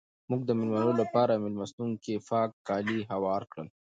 موږ د مېلمنو لپاره په مېلمستون کې پاک کالي هوار کړل.